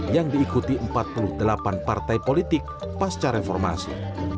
yang diikuti empat puluh delapan partai politik pasca reformasi